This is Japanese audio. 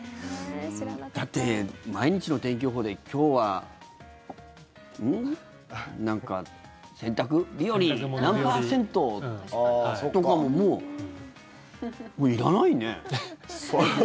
だって、毎日の天気予報で今日は、なんか洗濯日和、何パーセントとかがもういらないね。